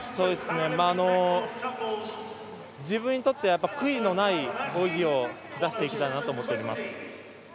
自分にとって悔いのない泳ぎを出していきたいなと思っています。